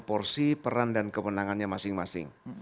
porsi peran dan kewenangannya masing masing